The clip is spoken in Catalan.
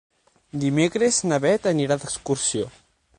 Dimecres na Beth anirà d'excursió.